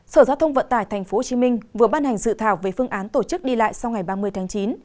sở giao thông vận tải tp hcm vừa ban hành dự thảo về phương án tổ chức đi lại sau ngày ba mươi tháng chín